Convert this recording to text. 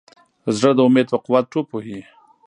زړه د امید په قوت ټوپ وهي.